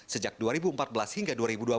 sejak dua ribu empat belas hingga dua ribu dua puluh